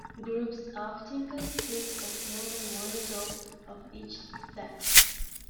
Groups often consist of more than one adult of each sex.